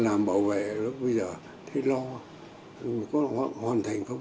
làm bảo vệ lúc bây giờ thì lo có hoàn thành không